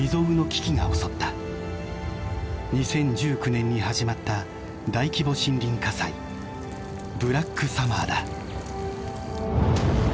２０１９年に始まった大規模森林火災「ブラックサマー」だ。